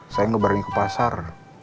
saya gak berani ke pasar